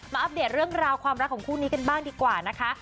อัปเดตเรื่องราวความรักของคู่นี้กันบ้างดีกว่านะคะ